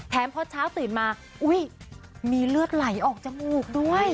พอเช้าตื่นมาอุ้ยมีเลือดไหลออกจมูกด้วย